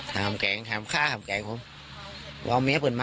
ถามแกงถามฆ่าถามแกงผมว้าวเมียเปิดมะ